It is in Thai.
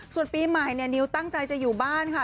ส่วนปีใหม่เนี่ยนิวตั้งใจจะอยู่บ้านค่ะ